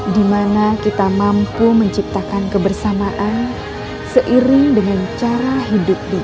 di mana kita mampu menciptakan kebersamaan seiring dengan cara hidup bijak